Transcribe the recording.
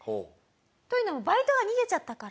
というのもバイトが逃げちゃったから。